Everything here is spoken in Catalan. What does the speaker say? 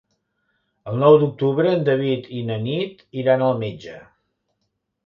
El nou d'octubre en David i na Nit iran al metge.